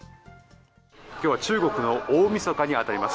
今日は中国の大みそかに当たります。